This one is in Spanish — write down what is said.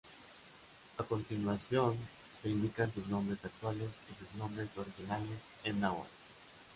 A continuación se indican sus nombres actuales y sus nombres originales en náhuatl.